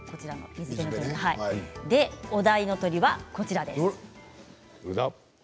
お題の鳥はこちらです。